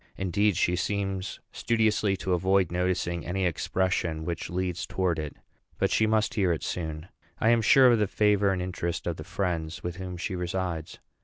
Indeed, she seems studiously to avoid noticing any expression which leads towards it; but she must hear it soon. I am sure of the favor and interest of the friends with whom she resides.